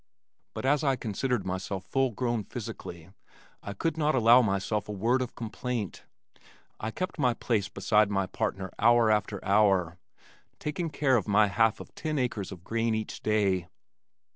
But as I considered myself full grown physically, I could not allow myself a word of complaint. I kept my place beside my partner hour after hour, taking care of my half of ten acres of grain each day.